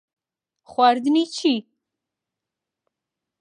خواردنی چی؟